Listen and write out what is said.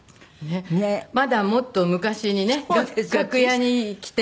まだもっと昔にね楽屋に来て。